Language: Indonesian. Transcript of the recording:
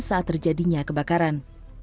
saat terjadinya kebakaran